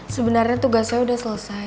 sebenernya tugas saya udah selesai